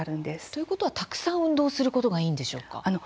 ということはたくさん運動することがいいんでしょうか。